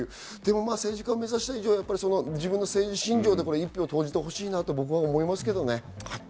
政治家を目指した以上は、自分の政治信条で一票を投じてほしいと僕は思いますけどね。